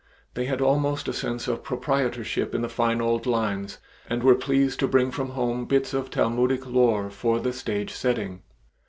They had almost a sense of proprietorship in the fine old lines and were pleased to bring from home bits of Talmudic lore for the stage setting.